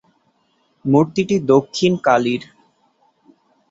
মূর্তিটি দক্ষিণকালীর।